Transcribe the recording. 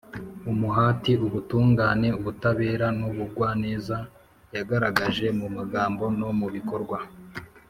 umuhati, ubutungane, ubutabera n’ubugwaneza yagaragaje mu magambo no mu bikorwa,